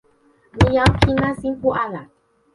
mi jan pi nasin pu ala.